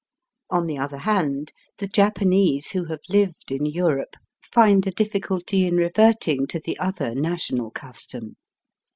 On the other hand, the Japanese who have lived in Europe find a difficulty in reverting to the other national custom.